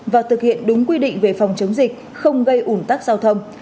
và thực hiện đúng quy định về phòng chống dịch không gây ủn tắc giao thông